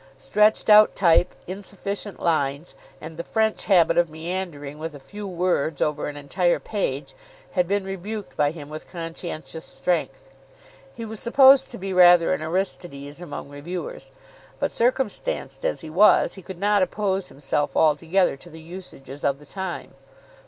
Stretched out type, insufficient lines, and the French habit of meandering with a few words over an entire page, had been rebuked by him with conscientious strength. He was supposed to be rather an Aristides among reviewers. But circumstanced as he was he could not oppose himself altogether to the usages of the time.